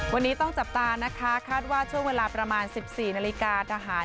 วันนี้ต้องจับตานะคะคาดว่าช่วงเวลาประมาณ๑๔นาฬิกาทหาร